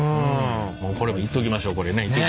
これはいっときましょうこれね。